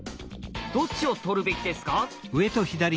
どっちを取るべきですか？